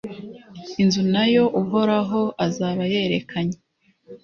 inzu na yo uhoraho azaba yerekanye